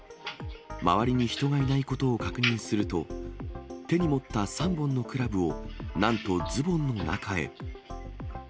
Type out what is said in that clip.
周りに人がいないことを確認すると、手に持った３本のクラブを、何とズボンの中へ。